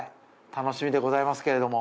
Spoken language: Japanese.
楽しみでございますけれども。